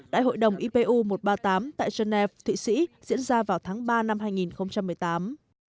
đại hội đồng ipu một trăm ba mươi tám tại geneva thụy sĩ diễn ra vào tháng ba năm hai nghìn một mươi tám